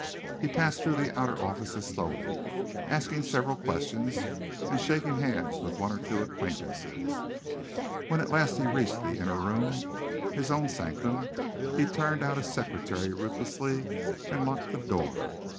He passed through the outer offices slowly, asking several questions, and shaking hands with one or two acquaintances. When at last he reached the inner room, his own sanctum, he turned out his secretary ruthlessly, and locked the door.